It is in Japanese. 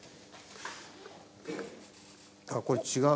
あっこれ違う。